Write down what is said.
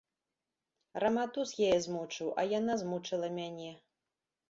Раматус яе змучыў, а яна змучыла мяне.